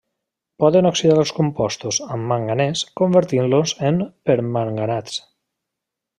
Poden oxidar els compostos amb manganès convertint-los en permanganats.